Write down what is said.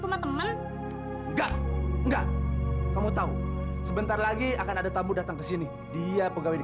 pemakaman enggak enggak kamu tahu sebentar lagi akan ada tamu datang ke sini dia pegawai